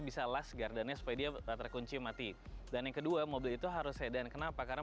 bisa last gardennya supaya dia terkunci mati dan yang kedua mobil itu harus sedan kenapa karena